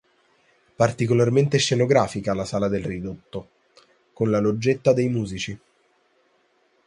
Particolarmente scenografica la sala del ridotto, con la loggetta dei musici.